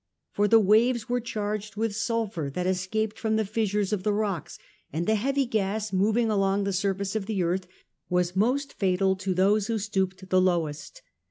For the waves were charged with sulphur that escaped from the fissures of the rocks, and the heavy gas, moving along the surface of the earth, was most fatal to those who stooped the lowest.